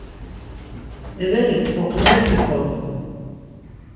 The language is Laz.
Eveli tokluğiti kort̆u.